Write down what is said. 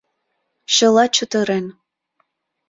Чыла чытырен.